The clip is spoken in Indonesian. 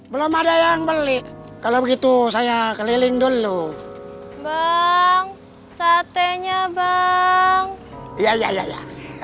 belum ada yang beli kalau begitu saya keliling dulu bang satenya bang iya iya